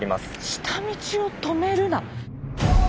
下道を止めるな？